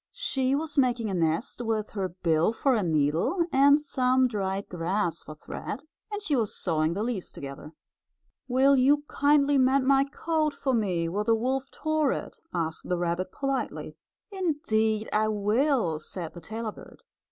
She was making a nest with her bill for a needle and some dried grass for thread, and she was sewing the leaves together. "Will you kindly mend my coat for me where the wolf tore it?" asked the rabbit politely. "Indeed I will," said the tailor bird.